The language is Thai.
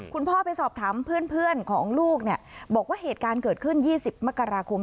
คุณพ่อไปสอบถามเพื่อนของลูกเนี่ยบอกว่าเหตุการณ์เกิดขึ้น๒๐มกราคม